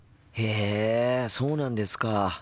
へえそうなんですか。